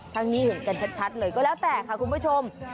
ทั้งนี้เห็นกันชัดเลยก็แล้วแต่ค่ะคุณผู้ชม